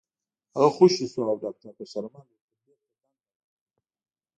هغه خوشې شو او داکتر بشرمل ورته بېرته دنده ورکړه